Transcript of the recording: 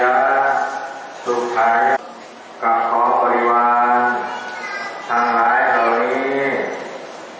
การพุทธศักดาลัยเป็นภูมิหลายการพุทธศักดาลัยเป็นภูมิหลาย